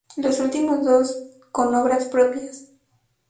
Los últimos dos, con obras propias.